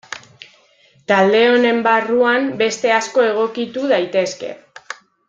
Talde honen barruan beste asko egokitu daitezke.